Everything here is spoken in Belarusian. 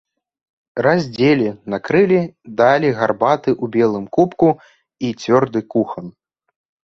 Раздзелі, накрылі, далі гарбаты ў белым кубку і цвёрды кухан.